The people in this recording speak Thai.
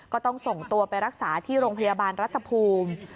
ก็ต้องส่งตัวไปรักษาที่โรงพยาบาลรัฐภูมิ